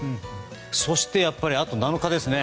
そして、やはりあと７日ですね。